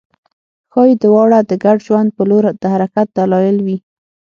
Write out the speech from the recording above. ښايي دواړه د ګډ ژوند په لور د حرکت دلایل وي